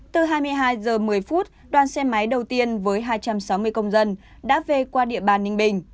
từ hai mươi hai h một mươi đoàn xe máy đầu tiên với hai trăm sáu mươi công dân đã về qua địa bàn ninh bình